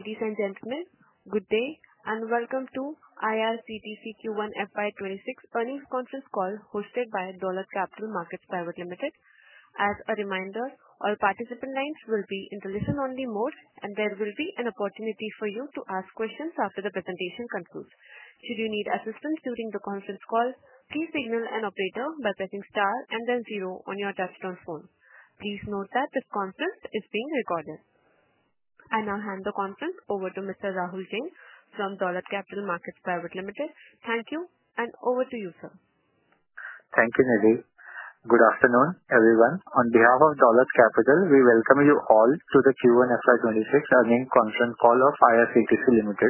Ladies and gentlemen, good day and welcome to IRCTC Q1 FY 2026 Earnings Conference Call hosted by Dolat Capital Markets Pvt. Ltd. As a reminder, all participant lines will be in telephone-only mode, and there will be an opportunity for you to ask questions after the presentation concludes. If you need assistance during the conference call, please signal an operator by pressing Star and then zero on your touch-tone phone. Please note that this conference is being recorded. I now hand the conference over to Mr. Rahul Jain from Dolat Capital Markets Pvt. Ltd. Thank you and over to you, sir. Thank you, Nadi. Good afternoon, everyone. On behalf of Dolat Capital, we welcome you all to the Q1 FY 2026 Earnings Conference Call of IRTC Ltd.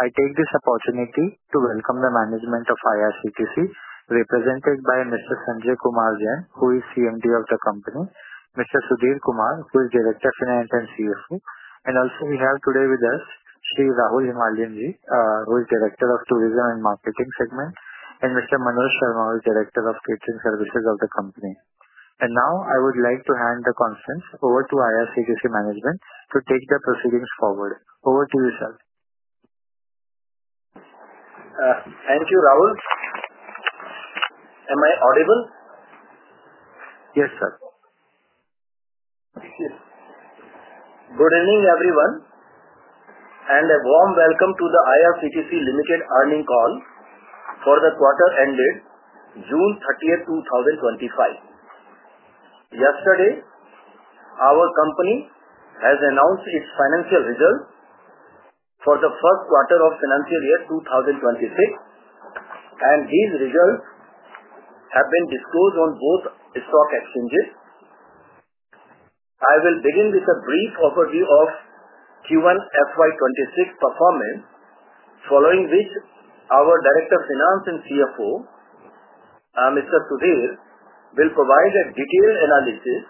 I take this opportunity to welcome the management of IRCTC, represented by Mr. Sanjay Kumar Jain, who is CMD of the company, Mr. Sudhir Kumar, who is Director of Finance and CFO, and also we have today with us, Sh. Rahul Himalian who is Director of Tourism and Marketing segment, and Mr. Manoj Sharma, who is Director of Catering Services of the company. I would like to hand the conference over to IRCTC management to take the proceedings forward. Over to you, sir. Thank you, Rahul. Am I audible? Yes, sir. Good evening, everyone, and a warm welcome to the IRCTC Ltd. earnings call for the quarter ended June 30th, 2025. Yesterday, our company has announced its financial results for the first quarter of the financial year 2026, and these results have been disclosed on both stock exchanges. I will begin with a brief overview of Q1 FY 2026 performance, following which our Director of Finance and CFO, Mr. Sudhir, will provide a detailed analysis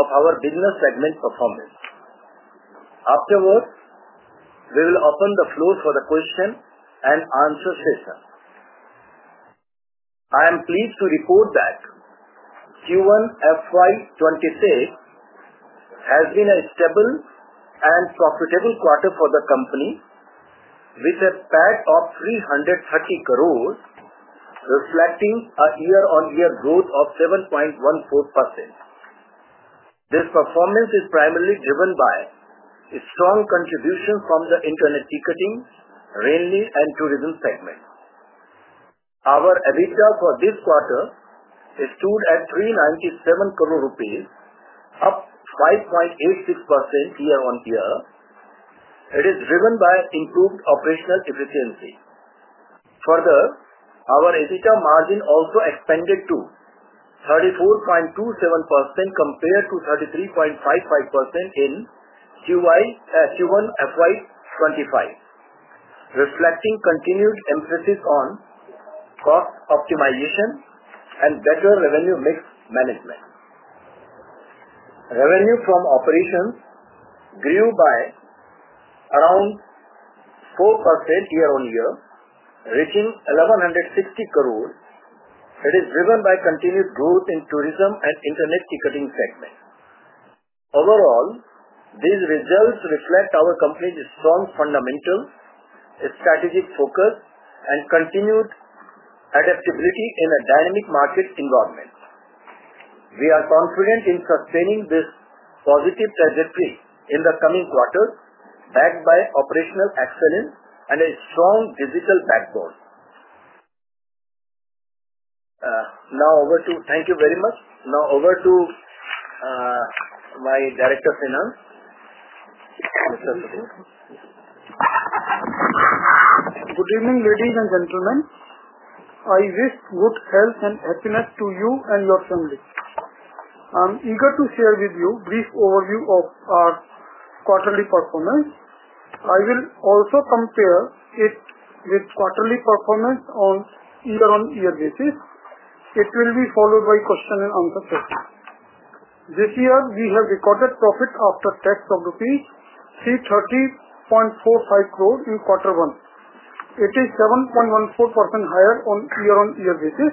of our business segment performance. Afterwards, we will open the floor for the question and answer session. I am pleased to report that Q1 FY 2026 has been a stable and profitable quarter for the company, with a PAT of 330 crore, reflecting a year-on-year growth of 7.14%. This performance is primarily driven by a strong contribution from the Internet ticketing, rentals, and tourism segments. Our EBITDA for this quarter stood at 397 crore rupees, up 5.86% year-on-year. It is driven by improved operational efficiency. Further, our EBITDA margin also expanded to 34.27% compared to 33.55% in Q1 FY 2025, reflecting continued emphasis on cost optimization and better revenue mix management. Revenue from operations grew by around 4% year-on-year, reaching 1,160 crore. It is driven by continued growth in tourism and Internet ticketing segments. Overall, these results reflect our company's strong fundamentals, its strategic focus, and continued adaptability in a dynamic market environment. We are confident in sustaining this positive trajectory in the coming quarters, backed by operational excellence and a strong judicial backbone. Thank you very much. Now over to my Director of Finance, Mr. Sudhir Kumar. Good evening, ladies and gentlemen. I wish good health and happiness to you and your families. I'm eager to share with you a brief overview of our quarterly performance. I will also compare it with quarterly performance on a year-on-year basis. It will be followed by a question and answer session. This year, we have recorded profit after tax from INR 330.45 crore in quarter one. It is 7.14% higher on a year-on-year basis.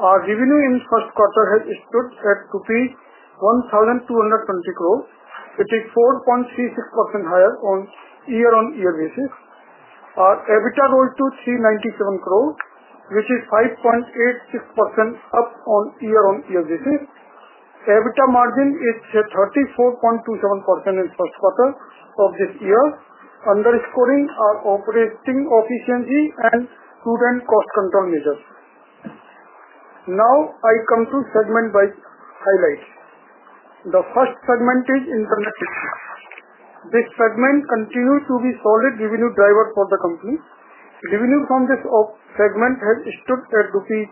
Our revenue in the first quarter has stood at INR 1,220 crore. It is 4.36% higher on a year-on-year basis. Our EBITDA rose to 397 crore, which is 5.86% up on a year-on-year basis. EBITDA margin is 34.27% in the first quarter of this year, underscoring our operating efficiency and prudent cost control measures. Now, I come to segment-wise highlights. The first segment is Internet ticketing. This segment continues to be a solid revenue driver for the company. Revenue from this segment has stood at rupees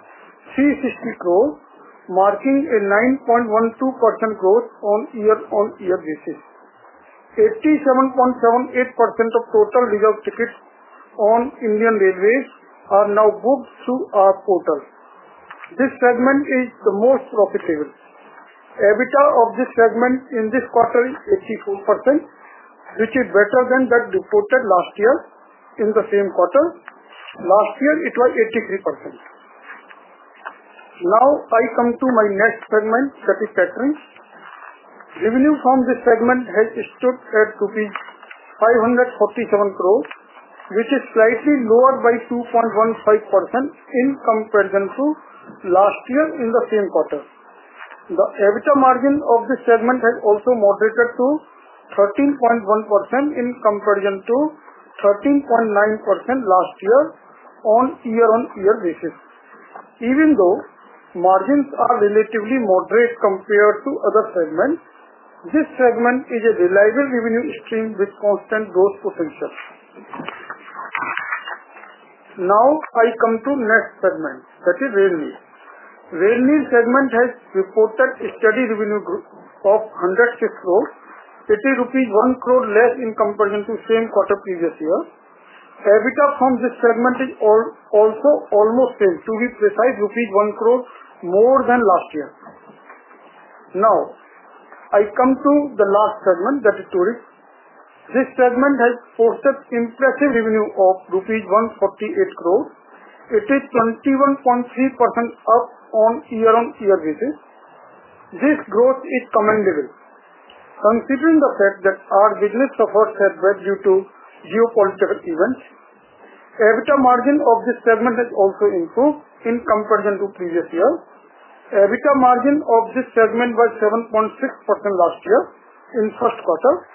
360 crore, marking a 9.12% growth on a year-on-year basis. 87.78% of total legal tickets on Indian Railways are now booked through our portal. This segment is the most profitable. EBITDA of this segment in this quarter is 84%, which is better than that reported last year in the same quarter. Last year, it was 83%. Now, I come to my next segment, statistics. Revenue from this segment has stood at rupees 547 crore, which is slightly lower by 2.15% in comparison to last year in the same quarter. The EBITDA margin of this segment has also moderated to 13.1% in comparison to 13.9% last year on a year-on-year basis. Even though margins are relatively moderate compared to other segments, this segment is a reliable revenue stream with constant growth potential. Now, I come to the next segment, that is Rentals. Rentals segment has reported a steady revenue growth of 106 crore, putting rupees 1 crore less in comparison to the same quarter previous year. EBITDA from this segment is also almost 10, to be precise, rupees 1 crore more than last year. Now, I come to the last segment, that is Tourism. This segment has reported an impressive revenue of rupees 148 crore. It is 21.3% up on a year-on-year basis. This growth is commendable. Considering the fact that our business suffered a bit due to geopolitical events, EBITDA margin of this segment has also improved in comparison to the previous year. EBITDA margin of this segment was 7.6% last year in the first quarter.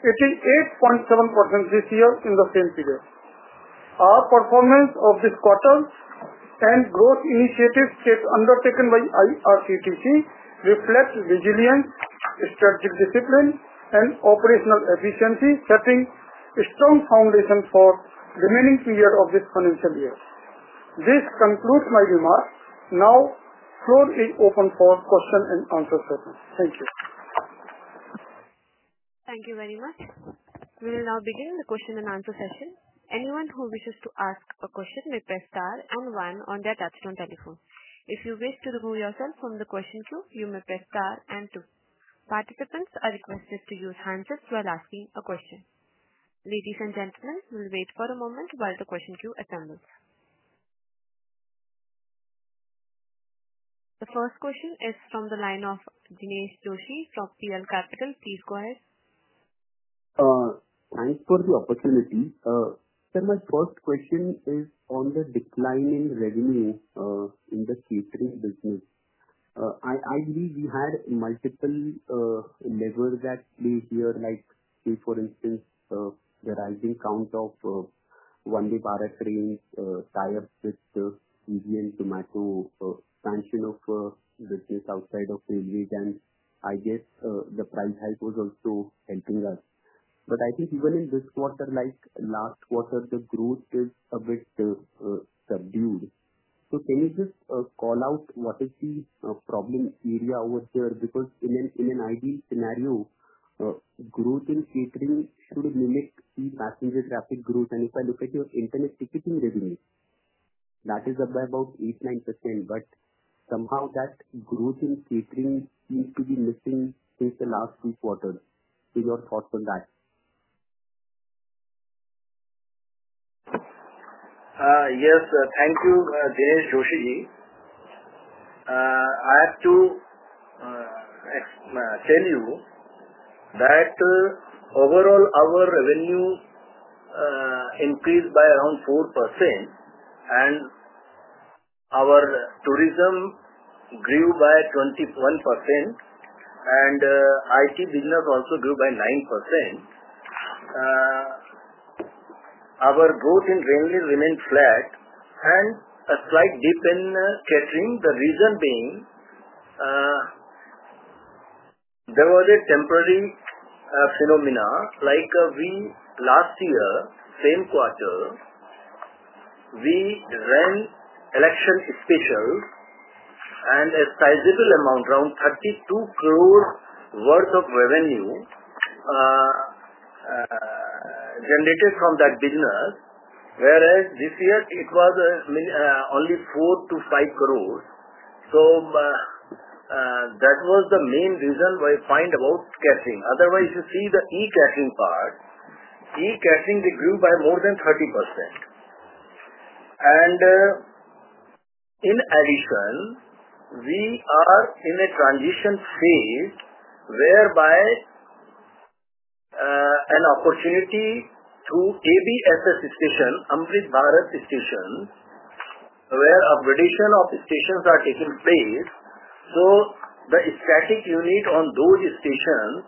It is 8.7% this year in the same period. Our performance of this quarter and growth initiatives undertaken by IRCTC reflect resilience, strategic discipline, and operational efficiency, setting a strong foundation for the remaining two years of this financial year. This concludes my remarks. Now, the floor is open for question and answer session. Thank you. Thank you very much. We will now begin the question-and-answer session. Anyone who wishes to ask a question may press Star and one on their touch-tone telephone. If you wish to remove yourself from the question queue, you may press Star and two. Participants are requested to use handsets while asking a question. Ladies and gentlemen, we will wait for a moment while the question queue assembles. The first question is from the line of Jinesh Joshi from TL Capital. Please go ahead. Thanks for the opportunity. Sir, my first question is on the declining revenue in the catering business. I believe we had multiple levers at play here, like, say, for instance, the rising count of Vande Bharat trains, Diet Fits, Easy and Tomato, expansion of business outside of the village, and I guess the price hike was also helping us. I think even in this quarter, like last quarter, the growth is a bit subdued. Can you just call out what is the problem area over here? Because in an ideal scenario, growth in catering should mimic the passenger traffic growth. If I look at your Internet ticketing revenue, that is up by about 8%, 9%. Somehow, that growth in catering seems to be missing since the last two quarters. Your thoughts on that? Yes, thank you, Dinesh Joshi. I have to tell you that overall, our revenue increased by around 4%, and our tourism grew by 21%, and IT business also grew by 9%. Our growth in revenue remains flat and a slight dip in catering, the reason being there was a temporary phenomenon. Last year, same quarter, we ran election specials and a sizable amount, around 32 crore worth of revenue generated from that business, whereas this year it was only 4 crores-5 crores. That was the main reason why I find about catering. Otherwise, you see the e-catering part. E-catering grew by more than 30%. In addition, we are in a transition phase whereby an opportunity through ABS station, Amrit Bharat Station, where a variation of stations are taking place, so the static unit on those stations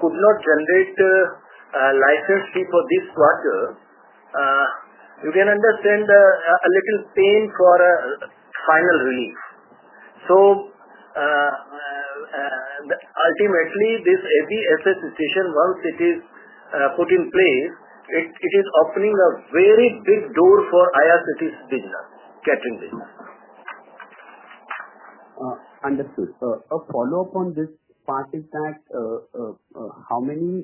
could not generate a license fee for this quarter. You can understand a little pain for a final release. Ultimately, this ABS station, once it is put in place, is opening a very big door for IRCTC business, catering business. Understood. A follow-up on this part is that how many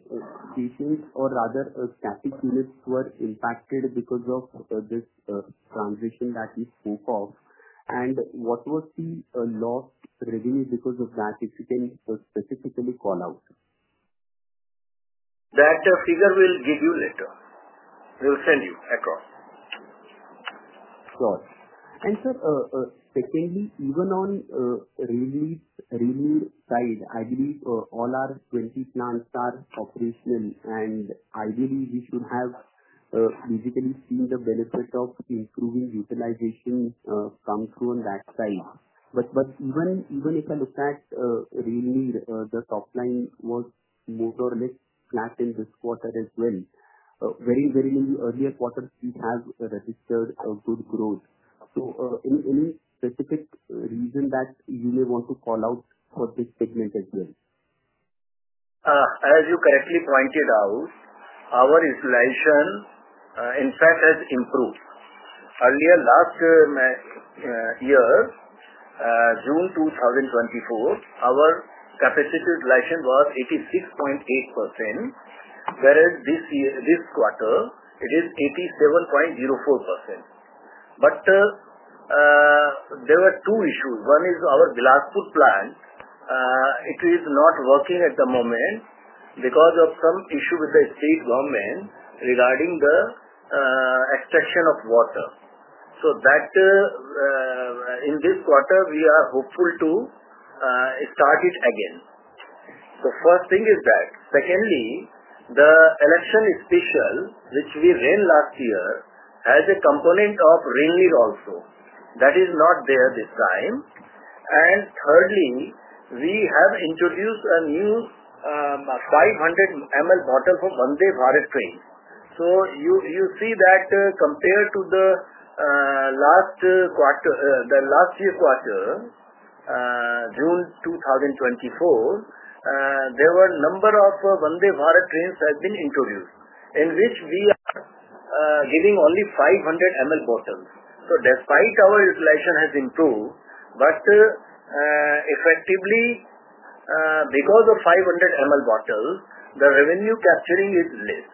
stations, or rather static units, were impacted because of this transition that we spoke of? What was the lost revenue because of that? If you can specifically call out. That figure we'll give you later. We'll send you a call. Sure. Sir, secondly, even on revenue side, I believe all our 20 plants are operational, and ideally, we should have visibly seen the benefit of improving utilization come through on that side. Even if I look at revenue, the top line was more or less flat in this quarter as well. Many earlier quarters did have registered good growth. Any specific reason that you may want to call out for this segment as well? As you correctly pointed out, our installation, in fact, has improved. Earlier last year, June 2024, our capacity reduction was 86.8%, whereas this year, this quarter, it is 87.04%. There are two issues. One is our Glass Food Plant. It is not working at the moment because of some issue with the state government regarding the extraction of water. In this quarter, we are hopeful to start it again. The first thing is that. Secondly, the election special, which we ran last year, has a component of rental also. That is not there this time. Thirdly, we have introduced a new 500 ml bottle for Vande Bharat trains. You see that compared to the last quarter, the last year quarter, June 2024, there were a number of Vande Bharat trains that have been introduced, in which we are getting only 500 ml bottles. Despite our inflation has improved, but effectively, because of 500 ml bottles, the revenue capturing is less.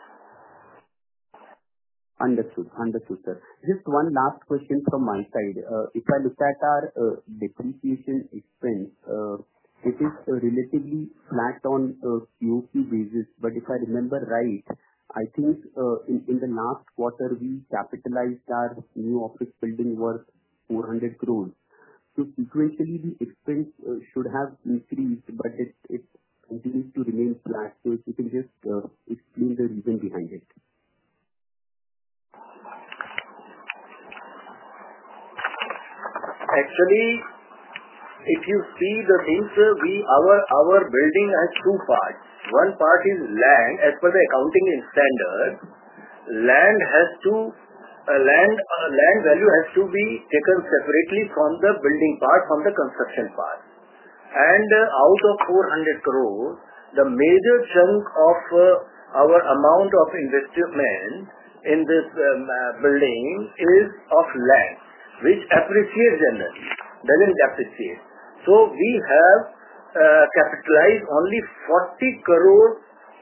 Understood. Understood, sir. Just one last question from my side. If I look at our depreciation expense, it is relatively flat on a Q2 basis. If I remember right, I think in the last quarter, we capitalized our new office building worth 400 crore. Potentially, the expense should have increased, but it continues to remain flat. If you can just explain the reason behind it. Actually, if you see the things, our building has two parts. One part is land. As per the accounting incentives, land value has to be taken separately from the building part, from the construction part. Out of 400 crore, the major chunk of our amount of investment in this building is of land, which appreciates generally, doesn't depreciate. We have capitalized only 40 crore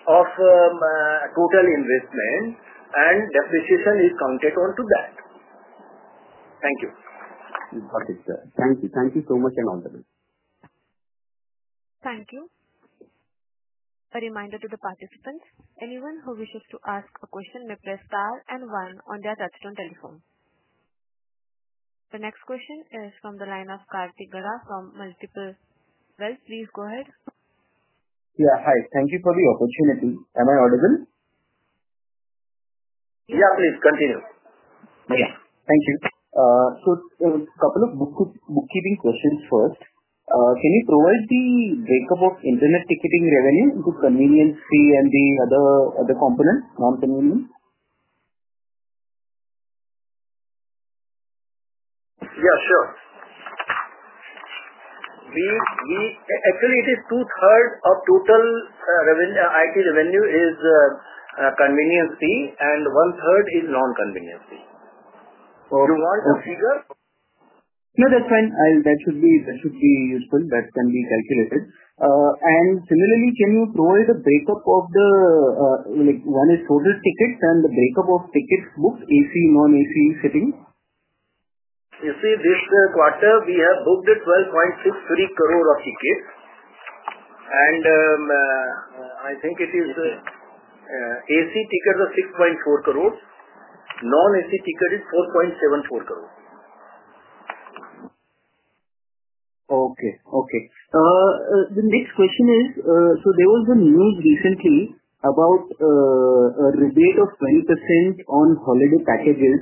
of total investment, and depreciation is counted onto that. Thank you. Thank you. Thank you so much, and all the best. Thank you. A reminder to the participants, anyone who wishes to ask a question may press Star and one on their touch-tone telephone. The next question is from the line of Karthik Gada from Multiple Wealth. Please go ahead. Yeah, hi. Thank you for the opportunity. Am I audible? Yeah, please continue. Yeah, thank you. A couple of bookkeeping questions first. Can you provide the breakup of Internet ticketing revenue into convenience fee and the other components, non-convenience? Yeah, sure. Actually, it is 2/3 of total IT revenue is a convenience fee, and 1/3 is non-convenience fee. Do you want a figure? Yeah, that's fine. That should be useful. That can be calculated. Similarly, can you provide the breakup of the, like one is processed tickets and the breakup of tickets booked AC, non-AC setting? Yes. See, this quarter, we have booked INR 12.63 crore of tickets. I think if you AC tickets are 6.4 crore, non-AC tickets are 4.74 crore. Okay. The next question is, there was a news recently about a rebate of 20% on holiday packages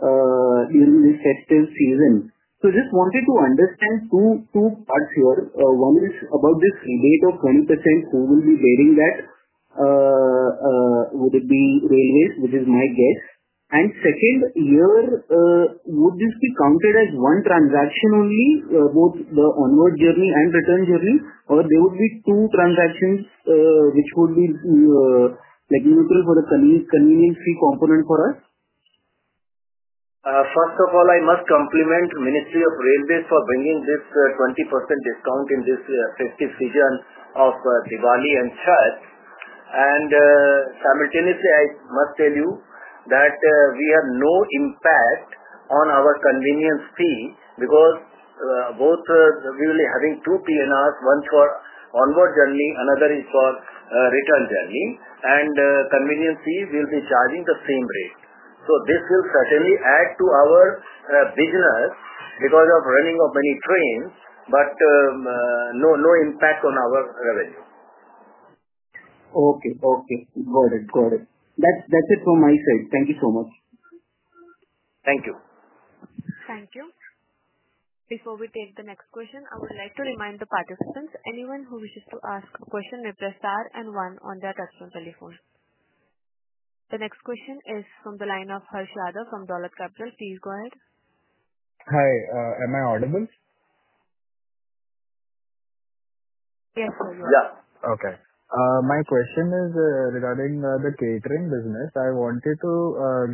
during the festive season. I just wanted to understand two parts here. One is about this rebate of 20%. Who will be bearing that? Would it be railways, which is my guess? Second, would this be counted as one transaction only, both the onward journey and return journey, or would there be two transactions, which would be regulatory for the convenience fee component for us? First of all, I must compliment the Ministry of Railways for bringing this 20% discount in this festive season of Diwali and Sharks. I must tell you that we have no impact on our convenience fee because both we will be having two PNRs, one for onward journey, another is for return journey. Convenience fee will be charging the same rate. This will certainly add to our business because of running of many trains, but no impact on our revenue. Okay. Got it. That's it from my side. Thank you so much. Thank you. Thank you. Before we take the next question, I would like to remind the participants, anyone who wishes to ask a question may press star and one on their touch-tone telephone. The next question is from the line of Hash Dwada from Dolat Capital. Please go ahead. Hi, am I audible? Yes, sir. Okay. My question is regarding the catering business. I wanted to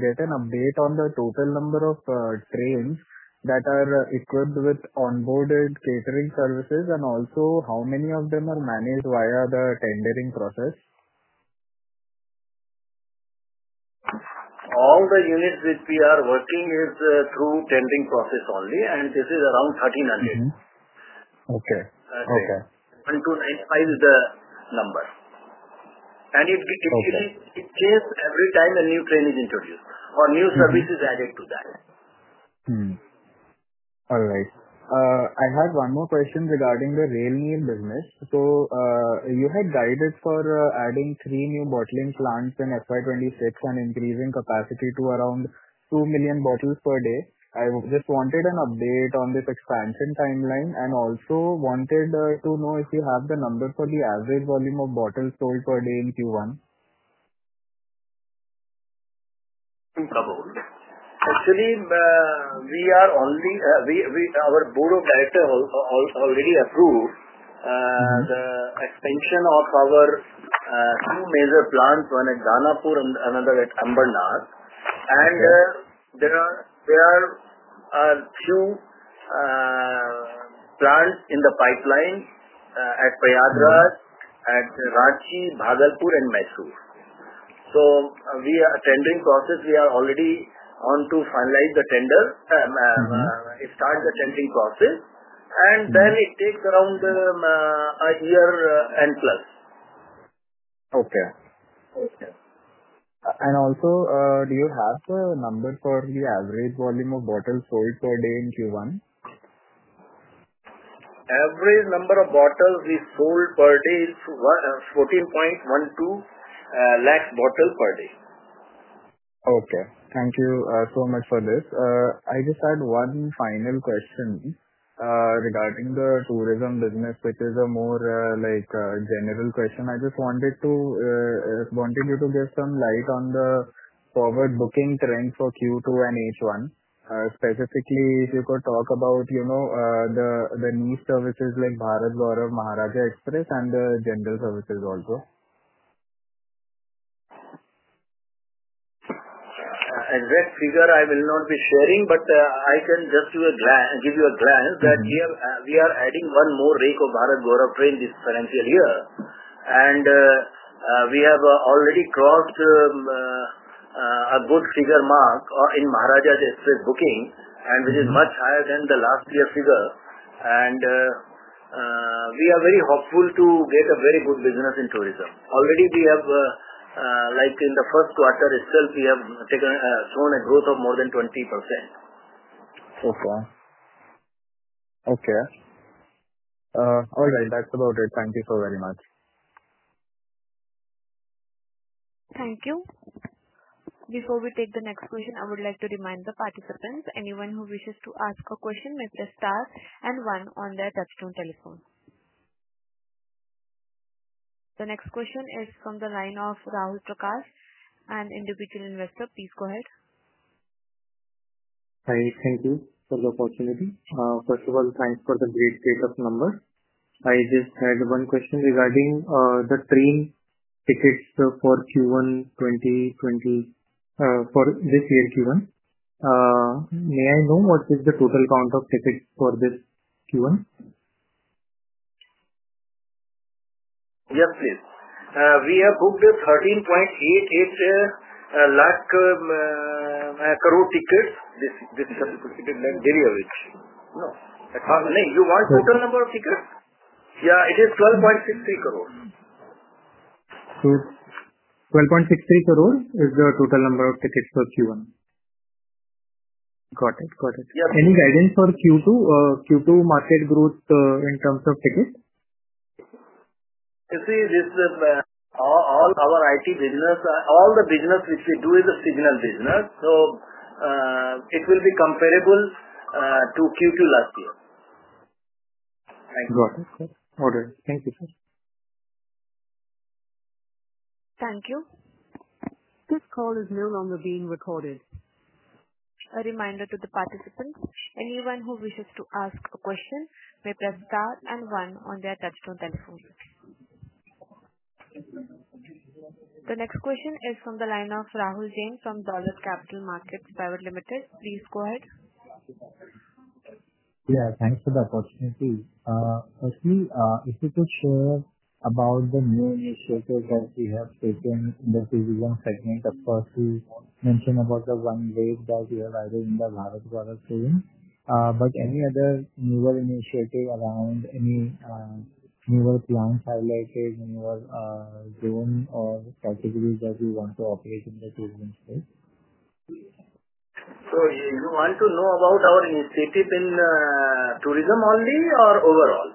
get an update on the total number of trains that are equipped with onboarded catering services and also how many of them are managed via the tendering process. All the units which we are working is through tendering process only, and this is around 1,300. Okay. Okay. 1x to 9x the number. It increases every time a new train is introduced or new service is added to that. All right. I had one more question regarding the Rail Neer business. You had guided for adding three new bottling plants in FY 2026 and increasing capacity to around 2 million bottles per day. I just wanted an update on this expansion timeline and also wanted to know if you have the number for the average volume of bottles sold per day in Q1. Thank you, Rahul. Actually, our Board of Directors already approved the expansion of our two major plants: one at Jannapur and another at Ambernath There are a few plants in the pipeline at Prayadhar, at Ranchi, Madalpur, and Mysuru. We are in the tendering process. We are already on to finalize the tender. It starts the tendering process, and then it takes around a year and plus. Okay. Do you have the number for the average volume of bottles sold per day in Q1? Average number of bottles sold per day is 1.412 million bottles per day. Okay. Thank you so much for this. I just had one final question regarding the tourism business, which is more like a general question. I just wanted you to give some light on the forward booking trends for Q2 and H1. Specifically, if you could talk about the new services like Bharat Gaurav, Maharajas' Express, and the general services also. Exact figure I will not be sharing, but I can just give you a glance that we are adding one more rake of Bharat Gaurav train this financial year. We have already crossed a good figure mark in Maharajas' Express booking, and it is much higher than the last year's figure. We are very hopeful to get a very good business in tourism. Already, in the first quarter itself, we have shown a growth of more than 20%. Okay. All right. That's about it. Thank you so very much. Thank you. Before we take the next question, I would like to remind the participants, anyone who wishes to ask a question may press star and one on their touch-tone telephone. The next question is from the line of Rahul Prakash, an individual investor. Please go ahead. Hi. Thank you for the opportunity. First of all, thanks for the great takeup number. I just had one question regarding the train tickets for Q1 2020, for this year Q1. May I know what is the total count of tickets for this Q1? Yes, please. We have booked 13.88 million tickets. This subsequent ticket? No, not at all. No, you want the total number of tickets? Yeah, it is 12.63 crore. 12.63 crore is the total number of tickets for Q1. Got it. Got it. Yes. Any guidance for Q2 market growth in terms of tickets? You see, this is all our IT business. All the business which we do is a single business. It will be comparable to Q2 last year. Got it, sir. Thank you, sir. Thank you. This call is no longer being recorded. A reminder to the participants, anyone who wishes to ask a question may press star and one on their touch-tone telephone. The next question is from the line of Rahul Jain from Dolat Capital Market Pvt. Ltd. Please go ahead. Yeah, thanks for the opportunity. Actually, if you could share about the new initiatives that we have taken in the tourism segment. Of course, you mentioned about the one wave that we are riding in the Bharat Gaurav train. Any other newer initiative around any newer plans highlighted in your zone or categories that you want to operate in the tourism space? Do you want to know about our initiative in tourism only or overall?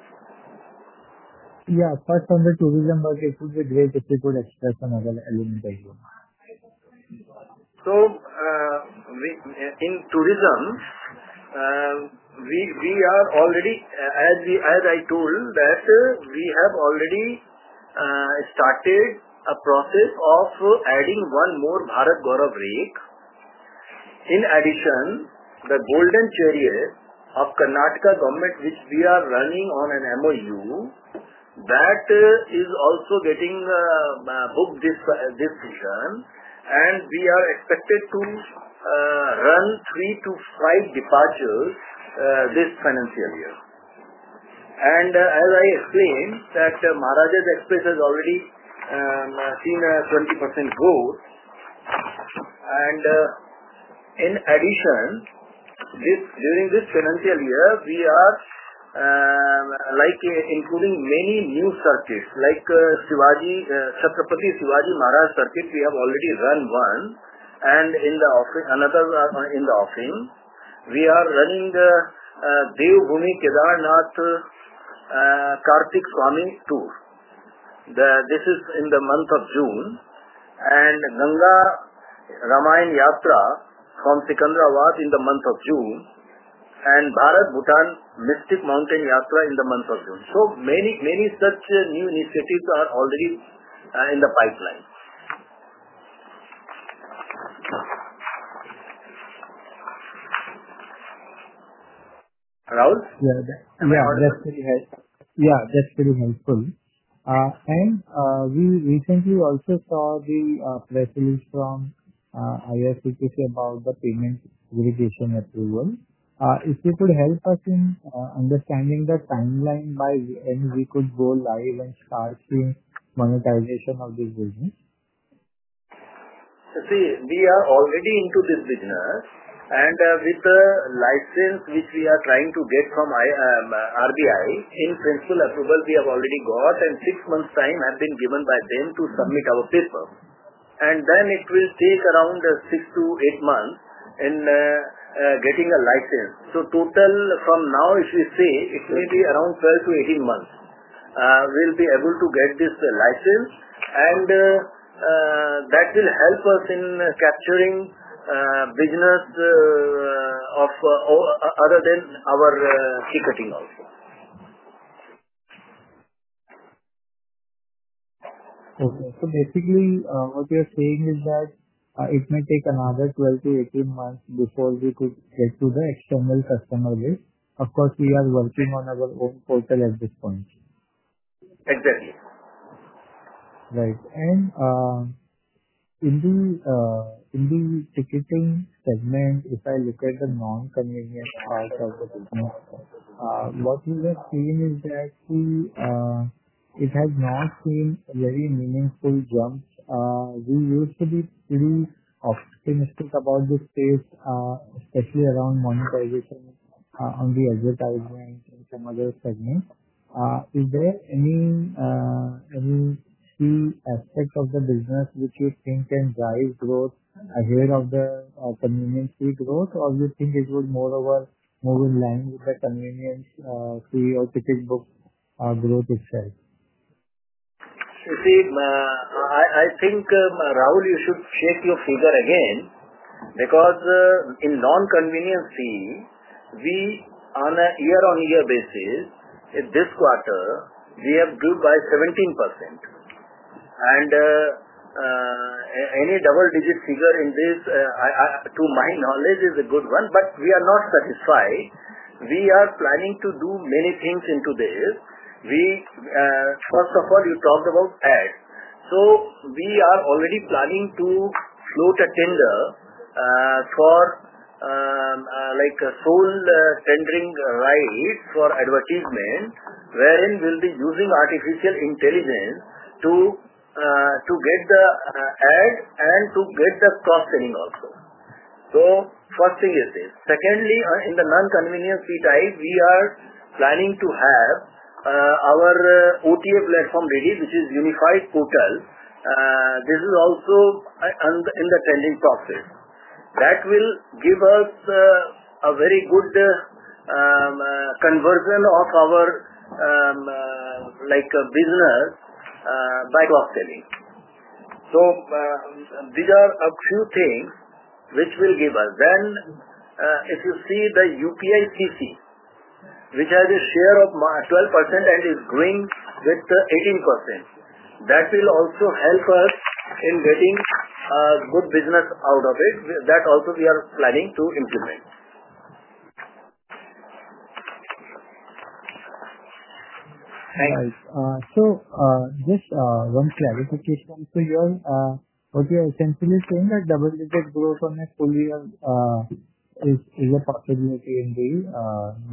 Yeah, first on the tourism, if you could expand on other elements. In tourism, we are already, as I told, that we have already started a process of adding one more Bharat Gaurav rake. In addition, the Golden Chariot of Karnataka government, which we are running on an MOU, is also getting hooked this season. We are expected to run three to five departures this financial year. As I explained, Maharajas' Express has already seen a 20% growth. In addition, during this financial year, we are including many new circuits, like Chhatrapati Shivaji Maharaj Circuit. We have already run one. In the offing, we are running the Devbhoomi Kedarnath Karthik Swamy tour. This is in the month of June. Ganga Ramayana Yatra from Sikandra Wat in the month of June. Bharat Bhutan Mystic Mountain Yatra in the month of June. Many, many such new initiatives are already in the pipeline. Rahul? Yeah, that's very helpful. We recently also saw the press release from IRCTC about the payment verification approval. If you could help us in understanding the timeline by when we could go live and start to monetization of this business. We are already into this business. With the license which we are trying to get from the Reserve Bank of India, in-principle approval we have already got. Six months' time has been given by them to submit our paper. It will take around six to eight months in getting a license. Total from now, if you see, it will be around 12-18 months. We'll be able to get this license. That will help us in capturing business of other than our ticketing also. Okay, so basically what you're saying is that it might take another 12 t-18 months before we could head to the external customer list. Of course, we are working on our own portal at this point. Exactly. Right. In the ticketing segment, if I look at the non-convenience parts of the business, what we have seen is that it has not seen very meaningful jumps. We used to be pretty optimistic about this space, especially around monetization on the advertisement and some other segments. Is there any key aspect of the business which you think can drive growth, aware of the convenience fee growth, or do you think it would moreover move in line with the convenience fee or ticket book growth itself? I think, Rahul, you should shake your finger again because in non-convenience fee, we on a year-on-year basis, in this quarter, we have grew by 17%. Any double-digit figure in this, to my knowledge, is a good one, but we are not satisfied. We are planning to do many things in today. First of all, you talked about ads. We are already planning to float a tender for like a sole tendering rights for advertisement, wherein we'll be using artificial intelligence to get the ad and to get the cross-selling also. First thing is this. Secondly, in the non-convenience fee type, we are planning to have our OTA platform released, which is Unified Portal. This is also in the tending process. That will give us a very good conversion of our business by cross-selling. These are a few things which will give us. As you see, the UPICC, which has a share of 12% and is growing with 18%, that will also help us in getting good business out of it. That also we are planning to implement. Sir, just one thing, what you are essentially saying is that double-digit growth on a full year is a possibility in the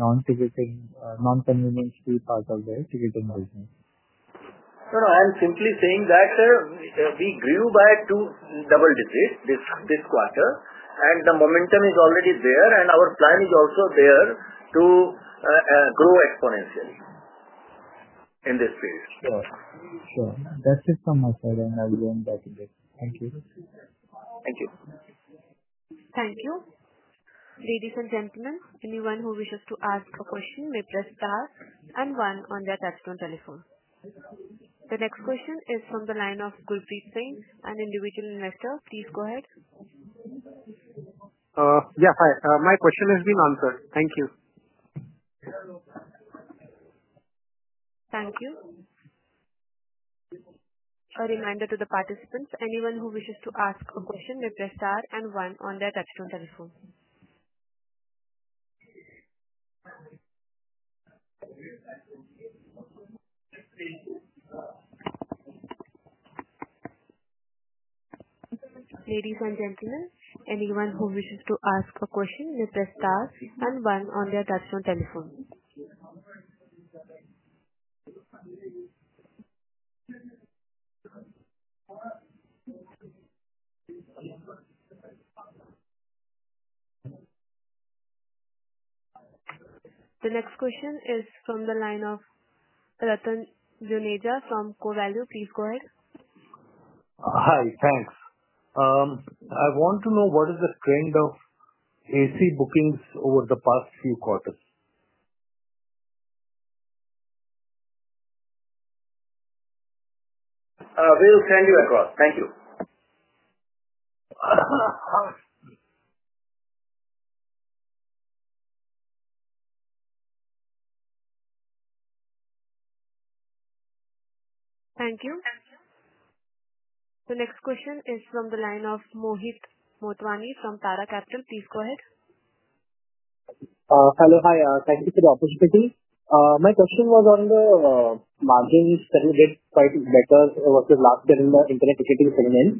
non-convenience fee part of the ticketing business. Sir, I'm simply saying that we grew by double digits this quarter, and the momentum is already there, and our plan is also there to grow exponentially in this space. Sure. That's it from my side. I'll run back a bit. Thank you. Thank you. Ladies and gentlemen, anyone who wishes to ask a question may press Star and one on their touch-tone telephone. The next question is from the line of Gurpreet Singh, an individual investor. Please go ahead. Yeah, hi. My question has been answered. Thank you. Thank you. A reminder to the participants, anyone who wishes to ask a question may press Star and one on their touch-tone telephone. Ladies and gentlemen, anyone who wishes to ask a question may press star and one on their touch-tone telephone. The next question is from the line of Rattan Joneja from CoValue. Please go ahead. Hi. Thanks. I want to know what is the trend of AC bookings over the past few quarters. We will send you a call. Thank you. Thank you. The next question is from the line of Mohit Motwani from Tara Capital. Please go ahead. Hello. Hi. Thank you for the opportunity. My question was on the margins that we did quite better versus last year in the Internet ticketing segment.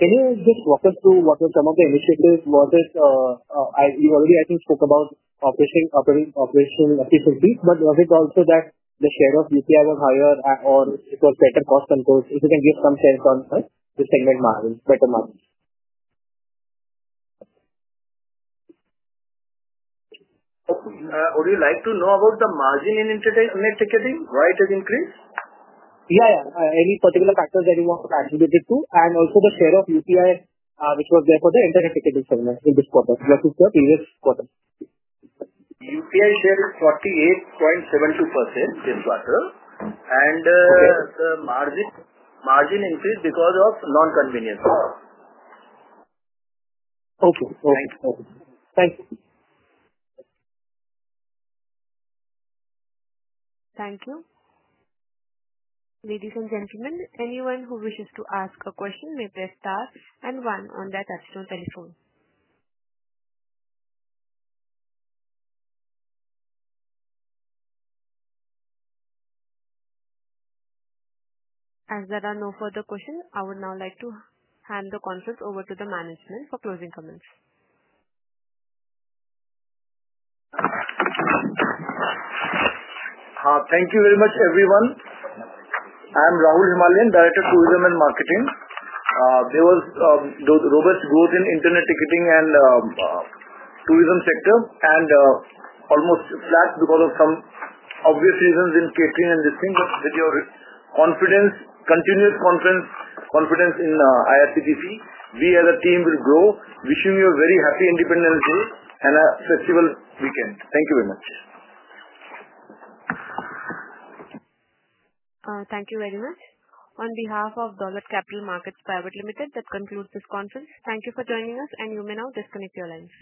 Can you just walk us through what has come of the initiative? Was this, you already, I think, spoke about operational efficiency, but was it also that the share of UPI was higher or it was better cost control? If you can give some sense on the segment margin, better margin. Would you like to know about the margin in Internet ticketing, right, has increased? Yeah, yeah. Any particular factors that you want to add to this? Also, the share of UPI, which was there for the Internet ticketing segment in this quarter versus the previous quarter? UPI share 48.72% this quarter. The margin increased because of non-convenience. Okay. Thanks. Thank you. Thank you. Ladies and gentlemen, anyone who wishes to ask a question may press Star and one on their touch-tone telephone. As there are no further questions, I would now like to hand the conference over to the management for closing comments. Thank you very much, everyone. I'm Rahul Himalian, Director of Tourism and Marketing. There was robust growth in Internet ticketing and tourism sector, and almost flat because of some obvious reasons in catering and this thing. With your continued confidence in IRCTC, we as a team will grow, wishing you a very happy Independence Day and a festive weekend. Thank you very much. Thank you very much. On behalf of Dolat Capital Markets Pvt. Ltd., that concludes this conference. Thank you for joining us, and you may now disconnect your lines.